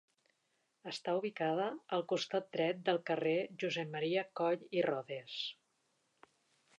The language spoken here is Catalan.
Està ubicada al costat dret del carrer Josep Maria Coll i Rodes.